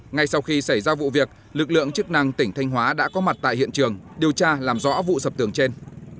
ngay sau khi xảy ra vụ việc lực lượng chức năng tỉnh thanh hóa đã có mặt tại hiện trường điều tra làm rõ vụ sập tường trên